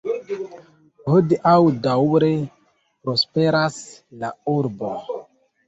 Hodiaŭ daŭre prosperas la Urbo.